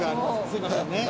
すみませんね。